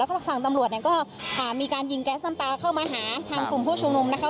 แล้วก็ฝั่งตำรวจเนี่ยก็มีการยิงแก๊สน้ำตาเข้ามาหาทางกลุ่มผู้ชุมนุมนะคะ